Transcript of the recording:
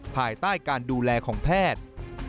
ภายใต้การดูแลของแพทย์